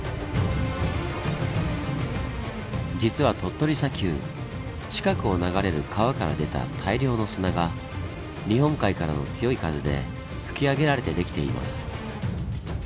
実は鳥取砂丘近くを流れる川から出た大量の砂が日本海からの強い風で吹き上げられて出来ています。